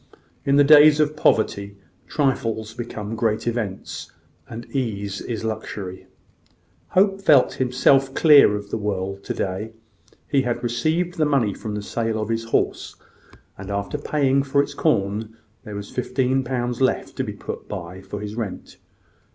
In the days of poverty, trifles become great events, and ease is luxury. Hope felt himself clear of the world to day. He had received the money from the sale of his horse; and after paying for its corn, there was fifteen pounds left to be put by for his rent.